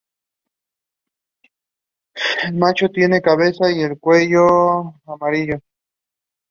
Esto puede tener como resultado cirugías plásticas repetidas para corregir imperfecciones percibidas.